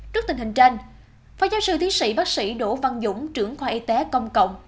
trước tình hình trên phó giáo sư tiến sĩ bác sĩ đỗ văn dũng trưởng khoa y tế công cộng